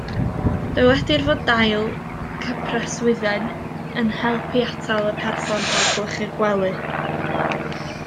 Dywedir fod dail cypreswydden yn help i atal y person rhag gwlychu'r gwely.